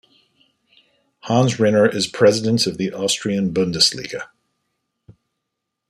Hans Rinner is president of the Austrian Bundesliga.